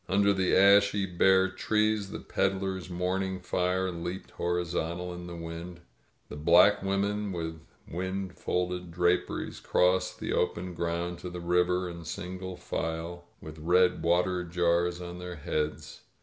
Under the ashy bare trees the ped dlers' morning fire leaped horizontal in the wind. The black women, with wind folded draperies, crossed the 108 ELIZABETTA open ground to the river in single file, with red water jars on their heads.